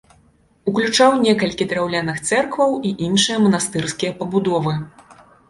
Уключаў некалькі драўляных цэркваў і іншыя манастырскія пабудовы.